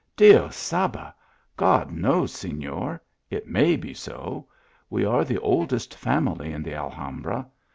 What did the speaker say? " Dios sabe ! God knows, senor. It may be so. We are the oldest family in the Alhambra.